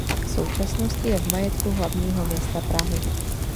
V současnosti je v majetku hlavního města Prahy.